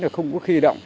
không có khi động